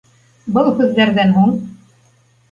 Был һүҙҙәрҙән һуң